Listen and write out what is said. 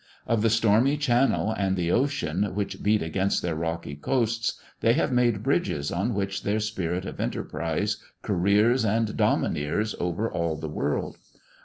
Of the stormy channel and the ocean, which beat against their rocky coasts, they have made bridges on which their spirit of enterprise careers and domineers over all the world.